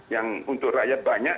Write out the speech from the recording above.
yang untuk rakyat banyak